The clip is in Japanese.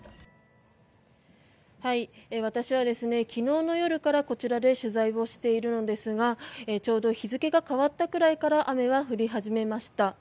私は昨日の夜からこちらで取材をしているのですがちょうど日付が変わったくらいから雨は降り始めました。